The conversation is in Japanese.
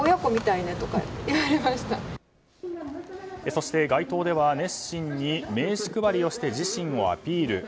そして、街頭では熱心に名刺配りをして自身をアピール。